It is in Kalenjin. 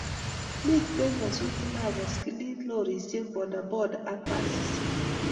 Mitei nyasutikab boskilit, che lorisiek bodaboda ak basisiek